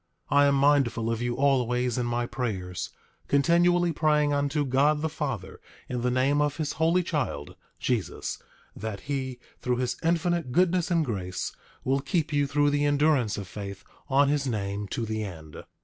8:3 I am mindful of you always in my prayers, continually praying unto God the Father in the name of his Holy Child, Jesus, that he, through his infinite goodness and grace, will keep you through the endurance of faith on his name to the end.